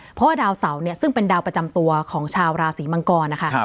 เพราะว่าดาวเสาเนี่ยซึ่งเป็นดาวประจำตัวของชาวราศีมังกรนะคะ